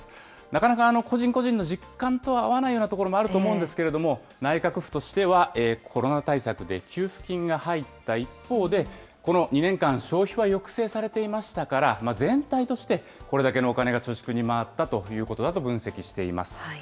なかなか個人個人の実感とは合わないようなところもあると思うんですけれども、内閣府としては、コロナ対策で給付金が入った一方で、この２年間、消費は抑制されていましたから、全体として、これだけのお金が貯蓄に回ったということだと分析しています。